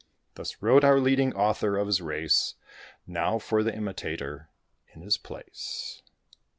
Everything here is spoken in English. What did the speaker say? Thus wrote our leading author of his race; Now for the imitator, in his place.